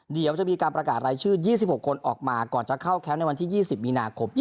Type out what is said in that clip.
เดี๋ยวจะมีการประกาศรายชื่อ๒๖คนออกมาก่อนจะเข้าแคมป์ในวันที่๒๐มีนาคม